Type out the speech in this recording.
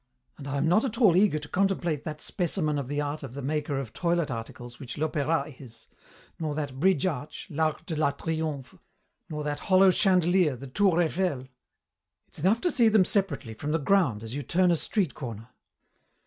And I am not at all eager to contemplate that specimen of the art of the maker of toilet articles which l'Opéra is, nor that bridge arch, l'arc de la Triomphe, nor that hollow chandelier, the Tour Eiffel! It's enough to see them separately, from the ground, as you turn a street corner.